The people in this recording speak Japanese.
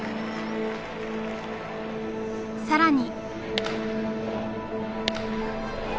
更に。